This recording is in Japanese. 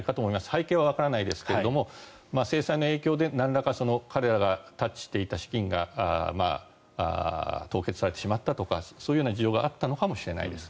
背景はわからないですが制裁の影響でなんらか彼らがタッチしていた資金が凍結されてしまったとかそういうような事情があったのかもしれないです。